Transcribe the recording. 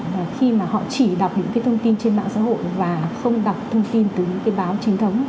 và khi mà họ chỉ đọc những cái thông tin trên mạng xã hội và không đọc thông tin từ những cái báo chính thống